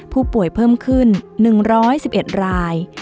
ผู้ป่วยเพิ่มขึ้น๑๑๑ราย